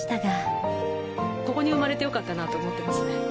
ここに生まれてよかったなと思ってますね。